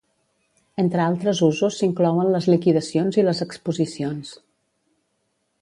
Entre altres usos s'inclouen les liquidacions i les exposicions.